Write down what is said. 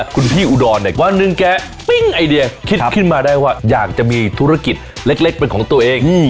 คุณพี่อุดรเนี่ยวันหนึ่งแกปิ้งไอเดียคิดขึ้นมาได้ว่าอยากจะมีธุรกิจเล็กเป็นของตัวเอง